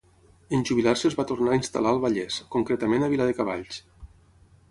En jubilar-se es va tornar a instal·lar al Vallès, concretament a Viladecavalls.